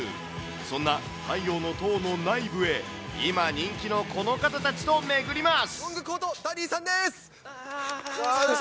そんな太陽の塔の内部へ、今人気のこの方たちと巡ります。